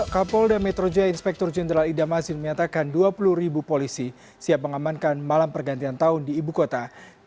kapolda metro jaya inspektur jenderal ida mazin menyatakan dua puluh ribu polisi siap mengamankan malam pergantian tahun di ibu kota